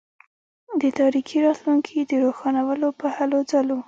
د تاریکي راتلونکي د روښانولو په هلوځلو.